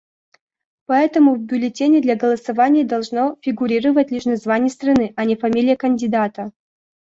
Поэтому в бюллетене для голосования должно фигурировать лишь название страны, а не фамилия кандидата.